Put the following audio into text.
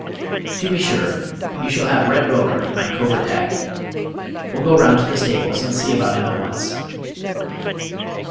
"To be sure; you shall have Red Rover, my covert hack. We'll go round to the stables, and see about him at once."